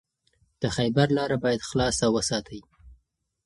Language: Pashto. د خیبر لاره باید خلاصه وساتئ.